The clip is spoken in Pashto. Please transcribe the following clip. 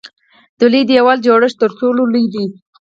د لوی دیوال جوړښت تر ټولو لوی دی.